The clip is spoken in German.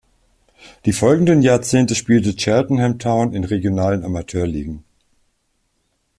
Die folgenden Jahrzehnte spielte Cheltenham Town in regionalen Amateurligen.